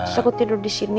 saya kok tidur disini